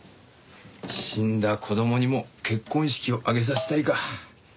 死んだ子供にも結婚式を挙げさせたいか。